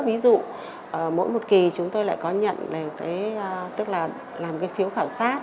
ví dụ mỗi một kỳ chúng tôi lại có nhận được cái tức là làm cái phiếu khảo sát